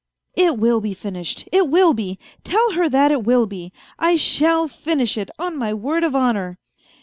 " It will be finished ! It will be ! Tell her that it will be. I shall finish it, on my word of honour